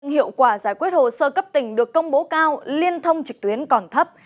hiệu quả giải quyết hồ sơ cấp tỉnh được công bố cao liên thông trực tuyến còn thấp